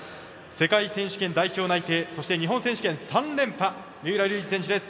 世界選手権代表内定そして日本選手権３連覇三浦龍司選手です。